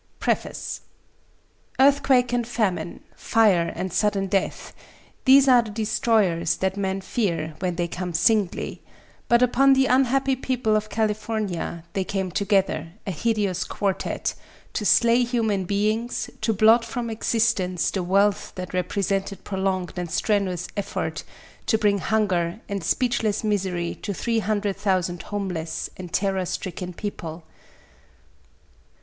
D. PREFACE Earthquake and famine, fire and sudden death these are the destroyers that men fear when they come singly; but upon the unhappy people of California they came together, a hideous quartette, to slay human beings, to blot from existence the wealth that represented prolonged and strenuous effort, to bring hunger and speechless misery to three hundred thousand homeless and terror stricken people.